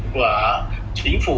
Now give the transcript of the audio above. của chính phủ